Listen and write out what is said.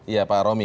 iya pak romi